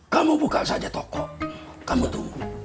kamu buka saja toko kamu tunggu